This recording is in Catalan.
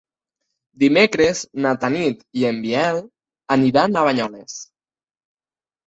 Dimecres na Tanit i en Biel aniran a Banyoles.